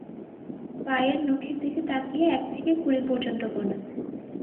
পায়ের নখের দিকে তাকিয়ে এক থেকে কুড়ি পর্যন্ত গোনা।